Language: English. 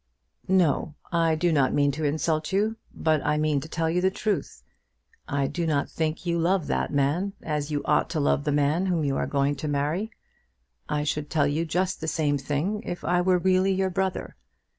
"No; I do not mean to insult you, but I mean to tell you the truth. I do not think you love that man as you ought to love the man whom you are going to marry. I should tell you just the same thing if I were really your brother.